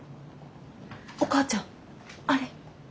お母ちゃんあれ。